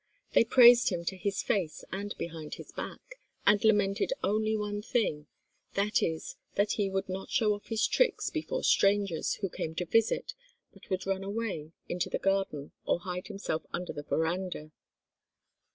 They praised him to his face and behind his back, and lamented only one thing, viz., that he would not show off his tricks before strangers, who came to visit, but would run away into the garden, or hide himself under the verandah.